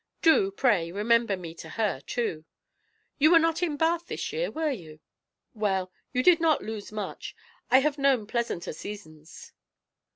Do, pray, remember me to her, too. You were not in Bath this year, were you? Well, you did not lose much; I have known pleasanter seasons."